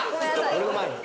俺の前で。